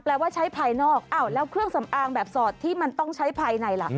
ว่าใช้ภายนอกอ้าวแล้วเครื่องสำอางแบบสอดที่มันต้องใช้ภายในล่ะ